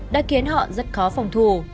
đã khiến họ rất khó khăn